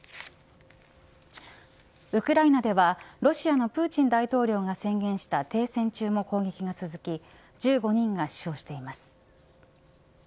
ウクライナではロシアのプーチン大統領が宣言した停戦中も攻撃が続き１５人が死傷しています。